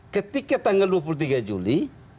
ketika tanggal dua puluh tiga juli